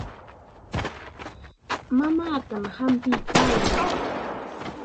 Mamaatam hampiykaayan.